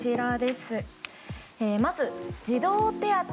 まず、児童手当。